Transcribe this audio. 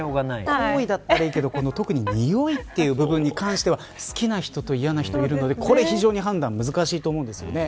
行為だったらいいけど臭いという部分に関しては好きな人と嫌な人がいるので判断が難しいと思うんですよね。